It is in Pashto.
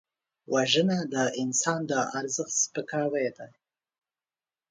وژنه د انسان د ارزښت سپکاوی دی